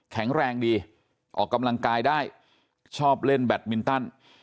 แข็งแรงดีออกกำลังกายได้ชอบเล่นแบตมินตัน